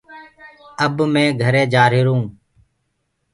اب مي گھري جآهيرونٚ